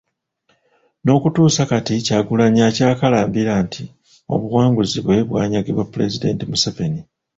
N'okutuusa kati Kyagulanyi akyakalambira nti obuwanguzi bwe bwanyagibwa Pulezidenti Museveni